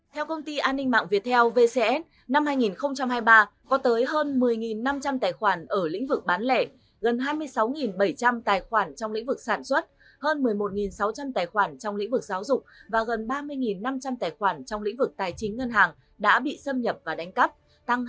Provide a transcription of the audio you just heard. theo công ty an ninh mạng việt theo vcn năm hai nghìn hai mươi ba có tới hơn một mươi năm trăm linh tài khoản ở lĩnh vực bán lẻ gần hai mươi sáu bảy trăm linh tài khoản trong lĩnh vực sản xuất